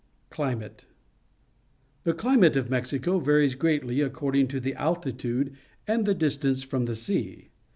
Climate. — The climate of Mexico varies greatly according to the altitude and the distance from the sea.